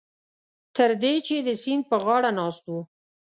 تر دې چې د سیند په غاړه ناست وو.